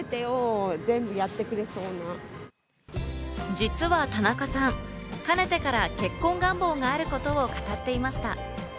実は田中さん、かねてから結婚願望があることを語っていました。